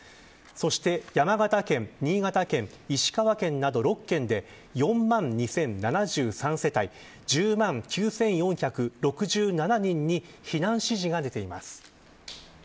そして山形県、新潟県石川県など６県で４万２０７３世帯１０万９４６７人に避難指示が出ています。